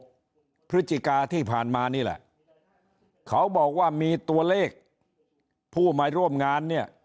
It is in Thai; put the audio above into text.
พฤศจิกาที่ผ่านมานี่แหละเขาบอกว่ามีตัวเลขผู้มาร่วมงานเนี่ย